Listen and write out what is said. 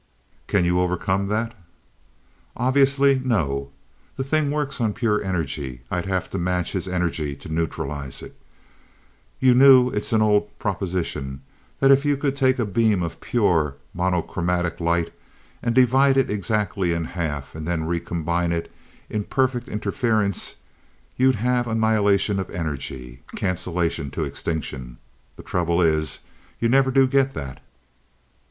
"Can you overcome that?" "Obviously, no. The thing works on pure energy. I'd have to match his energy to neutralize it. You knew it's an old proposition, that if you could take a beam of pure, monochromatic light and divide it exactly in half, and then recombine it in perfect interference, you'd have annihilation of energy. Cancellation to extinction. The trouble is, you never do get that.